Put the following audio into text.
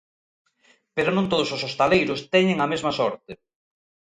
Pero non todos os hostaleiros teñen a mesma sorte.